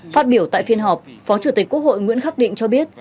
phát biểu tại phiên họp phó chủ tịch quốc hội nguyễn khắc định cho biết